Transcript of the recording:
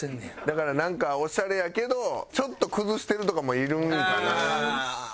だからなんかオシャレやけどちょっと崩してるとかもいるんかな。